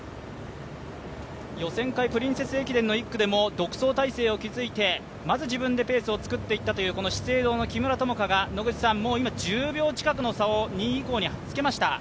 予選会プリンセス駅伝の１区でも独走態勢を築いてまず自分でペースをつくっていったという資生堂の木村友香が野口さん、今１０秒近くの差を２位以降につけました。